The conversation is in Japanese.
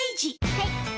はい。